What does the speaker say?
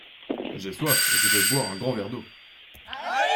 J’ai soif, je vais boire un grand verre d’eau.